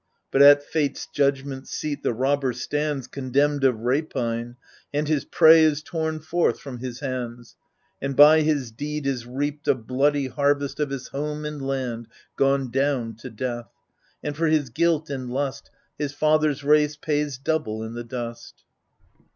But at Fate's judgment seat the robber stands Condemned of rapine, and his prey is torn Forth from his hands, and by his deed is reaped A bloody harvest of his home and land Gone down to death, and for his guilt and lust His father's race pays double in the dust.